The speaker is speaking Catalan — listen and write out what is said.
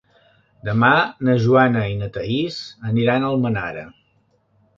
Demà na Joana i na Thaís aniran a Almenara.